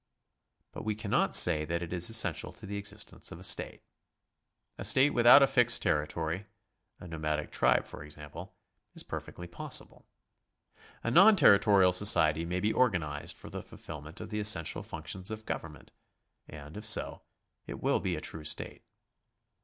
But we cannot say that it is essential to the existence of a state. A state without a fixed territory — a nomadic tribe for example — is perfectly possible. A non territorial society may be organised for the fulfilment of the essential functions of government, and if so, it will be a true state.